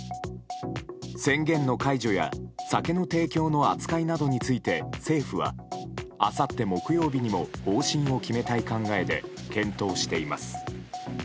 宣言の解除や酒の提供の扱いなどについて政府は、あさって木曜日にも方針を決めたい考えで検討しています。